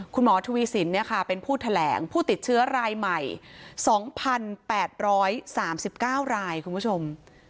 คุณหมอทวีสินเป็นผู้แถลงผู้ติดเชื้อรายใหม่๒๘๓๙รายคุณผู้ชม